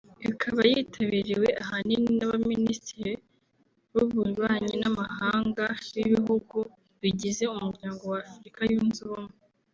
ikaba yitabiriwe ahanini na ba Minisitiri b’Ububanyi n’Amahanga b’ibihugu bigize Umuryango wa Afurika Yunze Ubumwe